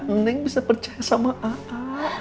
neneng bisa percaya sama aa